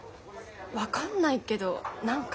分かんないけど何か。